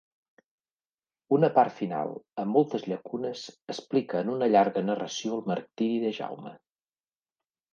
Una part final, amb moltes llacunes, explica en una llarga narració, el martiri de Jaume.